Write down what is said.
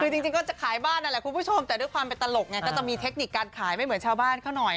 คือจริงก็จะขายบ้านนั่นแหละคุณผู้ชมแต่ด้วยความเป็นตลกไงก็จะมีเทคนิคการขายไม่เหมือนชาวบ้านเขาหน่อย